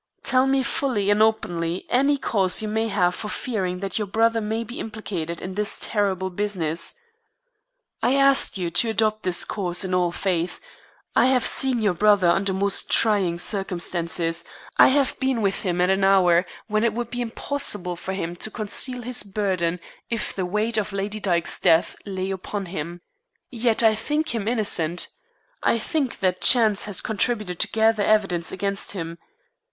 "Tell me fully and openly any cause you may have for fearing that your brother may be implicated in this terrible business. I ask you to adopt this course in all faith. I have seen your brother under most trying circumstances; I have been with him at an hour when it would be impossible for him to conceal his burden if the weight of Lady Dyke's death lay upon him. Yet I think him innocent. I think that chance has contributed to gather evidence against him.